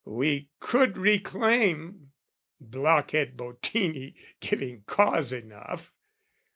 We could reclaim, Blockhead Bottini giving cause enough!